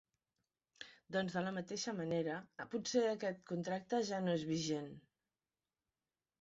Doncs de la mateixa manera potser aquest contracte ja no és vigent.